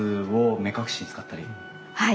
はい。